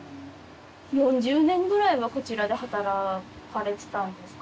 ４０年ぐらいはこちらで働かれてたんですか？